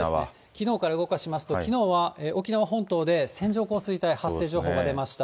きのうから動かしますと、きのうは沖縄本島で線状降水帯発生情報が出ました。